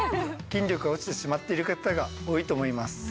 筋力が落ちてしまっている方が多いと思います。